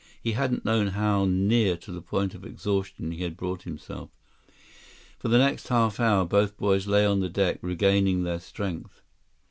He hadn't known how near to the point of exhaustion he had brought himself. For the next half hour, both boys lay on the deck regaining their strength.